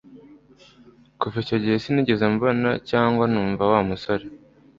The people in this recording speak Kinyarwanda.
Kuva icyo gihe sinigeze mbona cyangwa numva Wa musore